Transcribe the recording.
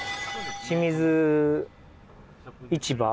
清水市場？